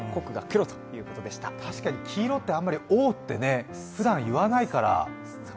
確かに黄色って、あまり「おう」ってふだん言わないから。